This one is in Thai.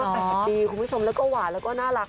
๘ปีคุณผู้ชมแล้วก็หวานแล้วก็น่ารัก